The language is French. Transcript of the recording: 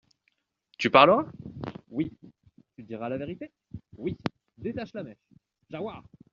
Tu parleras ? Oui ! Tu diras la vérité ? Oui ! Détache la mèche, Jahoua.